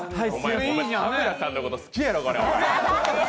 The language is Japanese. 田村さんのこと好きやろ。